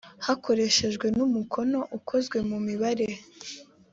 hakoreshejwe n umukono ukozwe mu mibare